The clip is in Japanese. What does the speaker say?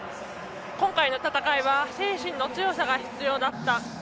今回の戦いは精神の強さが必要だった。